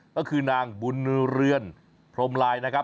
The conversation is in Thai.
ก็คือนางบุญเรือนพรมลายนะครับ